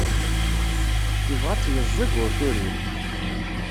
Yebɣa ad tt-yeẓzeg, ur turiw.